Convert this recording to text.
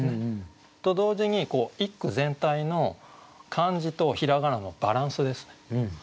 と同時に一句全体の漢字と平仮名のバランスですね。